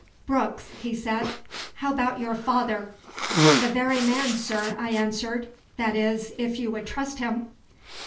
"Brooks," he said, "how about your father?" "The very man, sir," I answered; "that is, if you would trust him."